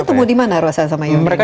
jadi ketemu dimana rosa sama yodi